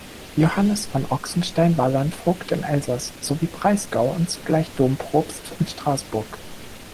Johannes von Ochsenstein war Landvogt im Elsass sowie Breisgau und zugleich Dompropst in Strassburg.